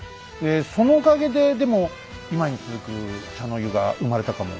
そのおかげででも今に続く茶の湯が生まれたかもしれないですもんね。